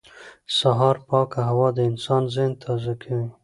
سهار پاکه هوا د انسان ذهن تازه کوي